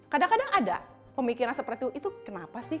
kadang kadang ada pemikiran seperti itu kenapa sih